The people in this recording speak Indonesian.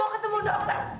saya mau ketemu dokter